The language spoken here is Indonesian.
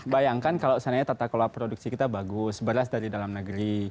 bayangkan kalau seandainya tata kelola produksi kita bagus beras dari dalam negeri